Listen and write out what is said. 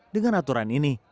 dengan aturan ini